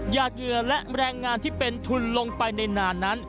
เหยื่อและแรงงานที่เป็นทุนลงไปในนานนั้น